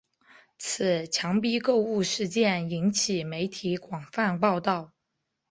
此强逼购物事件引起媒体广泛报道。